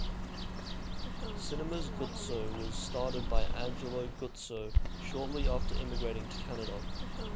Cinemas Guzzo was started by Angelo Guzzo shortly after immigrating to Canada.